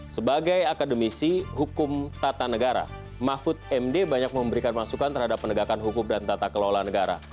sebagai akademisi hukum tata negara mahfud md banyak memberikan masukan terhadap penegakan hukum dan tata kelola negara